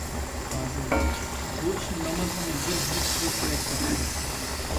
پازىل «بۇ ئىشمۇ نامازنىڭ بىر ھەرىكىتى بولسا كېرەك» دەپ ئويلاپتۇ.